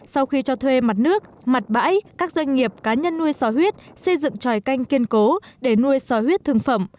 sau khi cho thuê mặt nước mặt bãi các doanh nghiệp cá nhân nuôi xò huyết xây dựng tròi canh kiên cố để nuôi sòi huyết thương phẩm